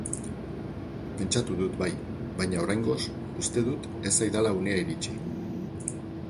Pentsatu dut, bai, baina oraingoz uste dut ez zaidala unea iritsi.